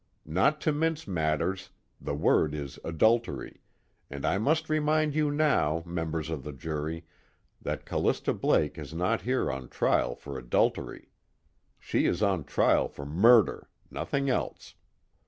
Not to mince matters, the word is adultery, and I must remind you now, members of the jury, that Callista Blake is not here on trial for adultery. She is on trial for murder, nothing else.